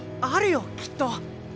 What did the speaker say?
あるよきっと。